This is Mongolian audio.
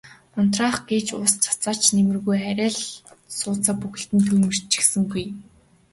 Унтраах гэж ус цацаад ч нэмэргүй арай л сууцаа бүхэлд нь түймэрдчихсэнгүй.